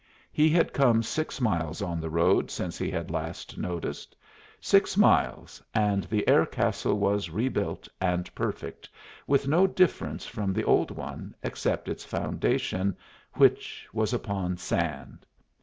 He had come six miles on the road since he had last noticed. Six miles, and the air castle was rebuilt and perfect, with no difference from the old one except its foundation, which was upon sand.